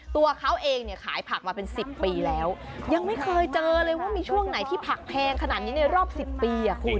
ตัวเขาเองเนี่ยขายผักมาเป็นสิบปีแล้วยังไม่เคยเจอเลยว่ามีช่วงไหนที่ผักแพงขนาดนี้ในรอบสิบปีอ่ะคุณ